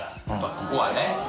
ここはね